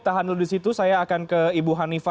tahan dulu di situ saya akan ke ibu hanifa